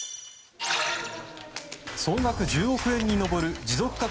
総額１０億円に上る持続化